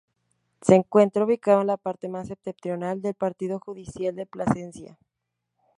Se encuentra ubicado en la parte más septentrional del partido judicial de Plasencia.